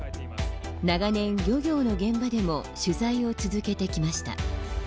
長年、漁業の現場でも取材を続けてきました。